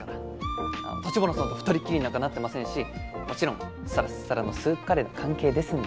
城華さんと２人きりになんかなってませんしもちろんサラッサラのスープカレーの関係ですんで。